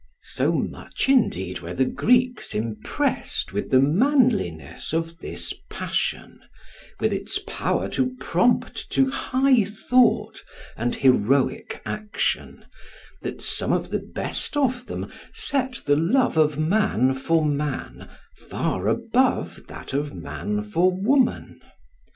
So much indeed were the Greeks impressed with the manliness of this passion, with its power to prompt to high thought and heroic action, that some of the best of them set the love of man for man far above that of man for woman.